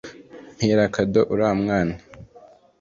Mpera kado uriya mwana